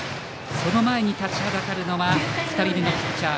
その前に立ちはだかるのは２人目のピッチャー